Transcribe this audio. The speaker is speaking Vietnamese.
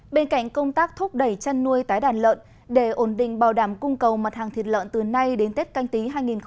bên cạnh công tác thúc đẩy chăn nuôi tái đàn lợn để ổn định bảo đảm cung cầu mặt hàng thịt lợn từ nay đến tết canh tí hai nghìn hai mươi